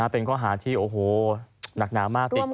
เป็นข้อหารที่โอ้โหหนักหนามากติดคุกเยอะมาก